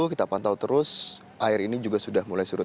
kita pantau terus air ini juga sudah mulai surut